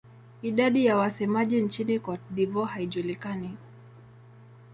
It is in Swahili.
Idadi ya wasemaji nchini Cote d'Ivoire haijulikani.